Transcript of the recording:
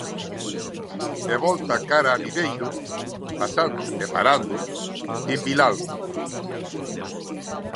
E volta cara a Viveiro pasando, e parando, en Vilalba.